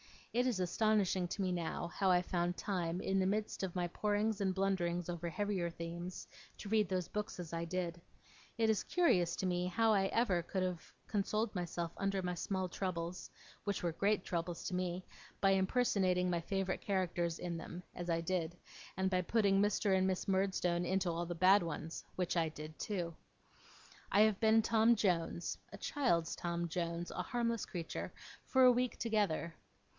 It is astonishing to me now, how I found time, in the midst of my porings and blunderings over heavier themes, to read those books as I did. It is curious to me how I could ever have consoled myself under my small troubles (which were great troubles to me), by impersonating my favourite characters in them as I did and by putting Mr. and Miss Murdstone into all the bad ones which I did too. I have been Tom Jones (a child's Tom Jones, a harmless creature) for a week together.